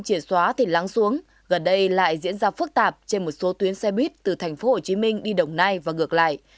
triệt xóa thì lắng xuống gần đây lại diễn ra phức tạp trên một số tuyến xe buýt từ tp hcm đi đồng nai và ngược lại